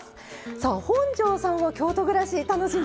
さあ本上さんは京都暮らし楽しんでますよね。